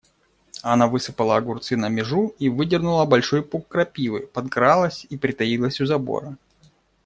Она высыпала огурцы на межу, выдернула большой пук крапивы, подкралась и притаилась у забора.